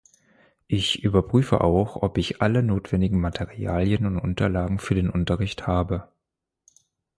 Ich überprüfe auch, ob ich alle notwendigen Materialien und Unterlagen für den Unterricht habe.